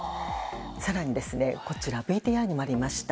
更にＶＴＲにもありました